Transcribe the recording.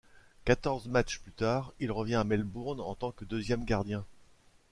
Quatorze matches plus tard, il revient à Melbourne en tant que deuxième gardien.